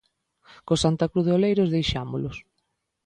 Co Santa Cruz de Oleiros deixámolos.